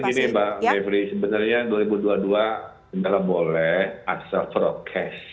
ibaratnya gini mbak beverly sebenarnya dua ribu dua puluh dua sebenarnya boleh asal prokes